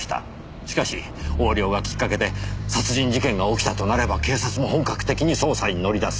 しかし横領がきっかけで殺人事件が起きたとなれば警察も本格的に捜査に乗り出す。